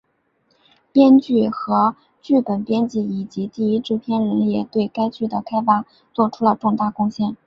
编剧和剧本编辑以及第一任制片人也对该剧的开发作出了重大贡献。